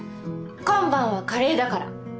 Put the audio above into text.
今晩はカレーだから。